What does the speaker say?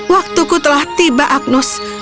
waktuku telah tiba agnus